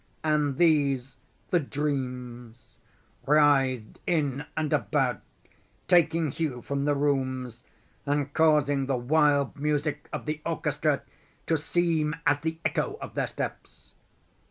And these—the dreams—writhed in and about, taking hue from the rooms, and causing the wild music of the orchestra to seem as the echo of their steps.